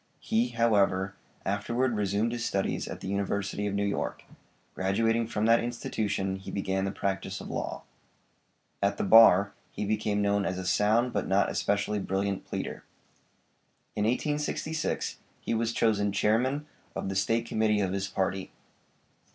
He, however, afterward resumed his studies at the University of New York; graduating from that institution he began the practice of law. At the bar he became known as a sound, but not especially brilliant pleader. In 1866 he was chosen Chairman of the State Committee of his party.